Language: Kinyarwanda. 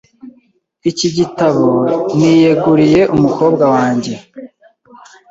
Iki gitabo niyeguriye umukobwa wanjye.